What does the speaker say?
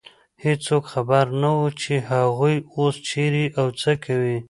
هېڅوک خبر نه و، چې هغوی اوس چېرې او څه کوي.